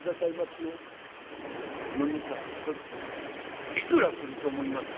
この蜜柑一ついくらすると思います？」。